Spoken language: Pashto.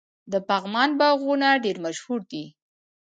د پغمان باغونه ډیر مشهور دي.